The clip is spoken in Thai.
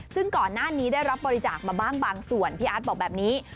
ซึ่งก่อนหน้านี้ได้รับบริจาคมาบ้างบางส่วนพี่อาร์ตบอกแบบนี้